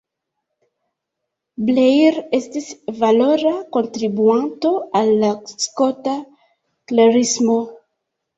Blair estis valora kontribuanto al la skota klerismo.